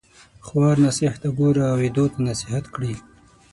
خوار ناصح ګوره ويدو تـــه نصيحت کړي